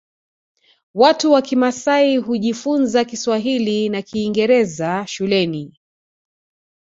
Watu wa kimasai hujifunza kiswahili na kingeraza shuleni